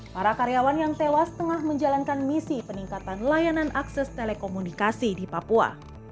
para karyawan yang tewas tengah menjalankan misi peningkatan layanan akses telekomunikasi di papua